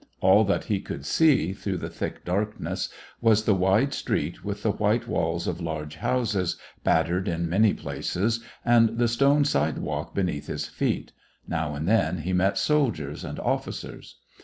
All that he could see, through the thick darkness, was the wide street with the white walls of large houses, battered in many places, and the stone sidewalk beneath his feet ; now and then, he met soldiers and officers.